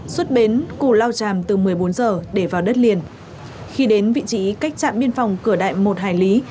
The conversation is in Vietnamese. xuất bến cụ lao chàm từ một mươi bốn h để vào đất liền khi đến vị trí cách trạm biên phòng cửa đại một hải lý